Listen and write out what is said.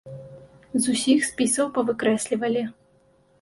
З усіх спісаў павыкрэслівалі.